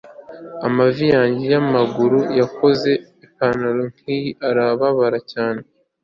amavi yanjye yamagufa yakoze ipantaro nkiyi irababara cyane